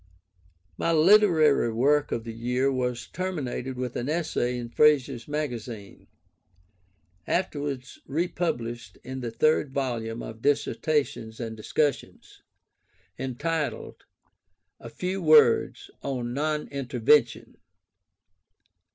My literary work of the year was terminated with an essay in Fraser's Magazine (afterwards republished in the third volume of Dissertations and Discussions), entitled "A Few Words on Non Intervention."